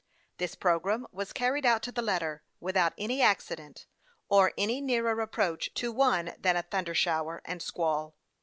This programme was carried out to the letter, with out any accident, or any nearer approach to one than a thunder shower and squall.